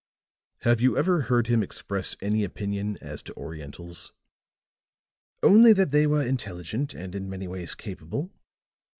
"Have you ever heard him express any opinion as to Orientals?" "Only that they were intelligent and in many ways capable.